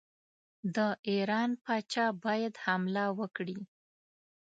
د ایران پاچا باید حمله وکړي.